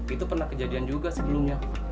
itu pernah kejadian juga sebelumnya